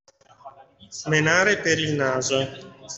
Menare per il naso.